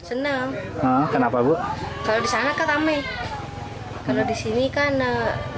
ulang penerbangan sha untuk demand lamasan mesin tujuh puluh dua unit berusaha dari sidok klip tanah dari